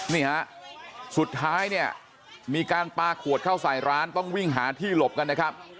นี่ฮะสุดท้ายเนี่ยมีการปลาขวดเข้าใส่ร้านต้องวิ่งหาที่หลบกันนะครับ